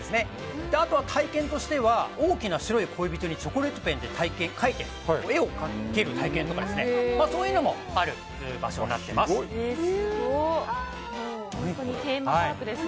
あとは体験としては大きな白い恋人にチョコレートペンで絵を描ける体験とかそういうのもある場所です。